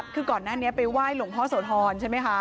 คือก่อนหน้านี้ไปไหว้หลวงพ่อโสธรใช่ไหมคะ